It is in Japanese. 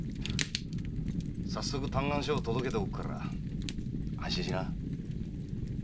早速嘆願書を届けておくから安心しな。